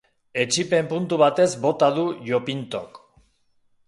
Etsipen puntu batez bota du Yopintok.